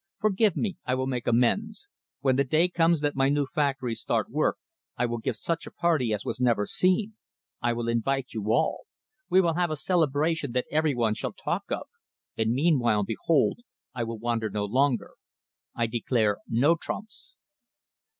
Forgive me, I will make amends. When the day comes that my new factories start work, I will give such a party as was never seen. I will invite you all. We will have a celebration that every one shall talk of. And meanwhile, behold! I will wander no longer. I declare no trumps."